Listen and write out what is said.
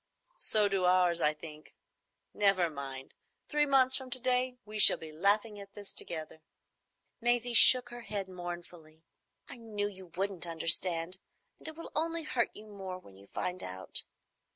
"So do ours, I think. Never mind. Three months from to day we shall be laughing at this together." Maisie shook her head mournfully. "I knew you wouldn't understand, and it will only hurt you more when you find out.